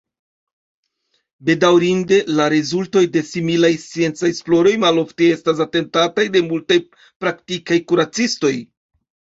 Bedaŭrinde, la rezultoj de similaj sciencaj esploroj malofte estas atentataj de multaj praktikaj kuracistoj.